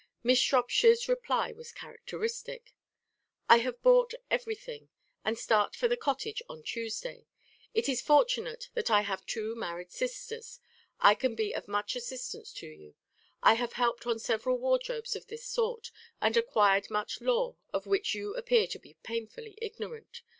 Miss Shropshire's reply was characteristic: "I have bought everything, and start for the cottage on Tuesday. It is fortunate that I have two married sisters; I can be of much assistance to you. I have helped on several wardrobes of this sort, and acquired much lore of which you appear to be painfully ignorant.